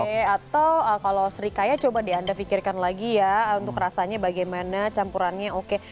oke atau kalau serikaya coba deh anda pikirkan lagi ya untuk rasanya bagaimana campurannya oke